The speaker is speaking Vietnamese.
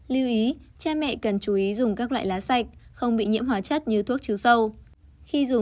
lưu ý cha mẹ cần chú ý dùng các loại lá sạch không bị nhiễm hóa chất như thuốc chứa sâu